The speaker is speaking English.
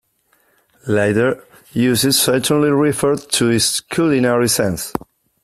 Later uses certainly referred to its culinary sense.